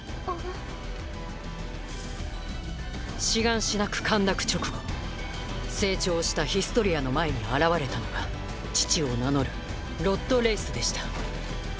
シガンシナ区陥落直後成長したヒストリアの前に現れたのが父を名乗るロッド・レイスでした。